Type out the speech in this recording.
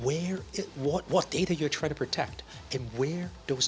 apa data yang anda ingin melindungi